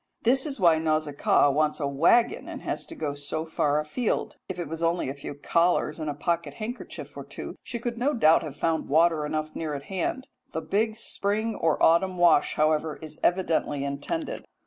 This is why Nausicaa wants a waggon, and has to go so far afield. If it was only a few collars and a pocket handkerchief or two she could no doubt have found water enough near at hand. The big spring or autumn wash, however, is evidently intended.